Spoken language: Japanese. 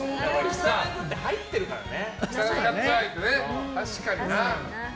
木更津って入ってるからね。